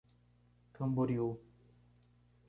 Camboriú